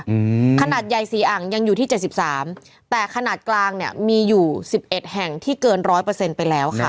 อืมขนาดใหญ่สี่อ่างยังอยู่ที่เจ็ดสิบสามแต่ขนาดกลางเนี้ยมีอยู่สิบเอ็ดแห่งที่เกินร้อยเปอร์เซ็นต์ไปแล้วค่ะ